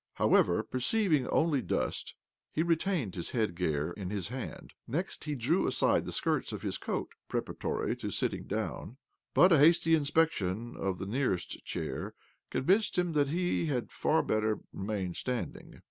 However, p^erceiving only dust, he retained his headgear in his hand. Next he drew aside the skirts of his coat (preparatory to sitting down), but a hasty inspection of the neajest chair convinced him that he had far better remain standing.